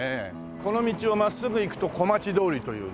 この道をまっすぐ行くと小町通りというね。